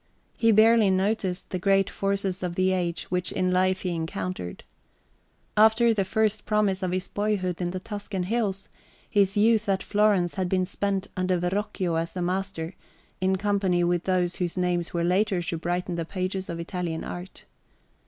He barely noticed the great forces of the age which in life he encountered. After the first promise of his boyhood in the Tuscan hills, his youth at Florence had been spent under Verrocchio as a master, in company with those whose names were later to brighten the pages of Italian art.